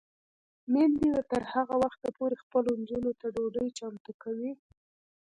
میندې به تر هغه وخته پورې خپلو نجونو ته ډوډۍ چمتو کوي.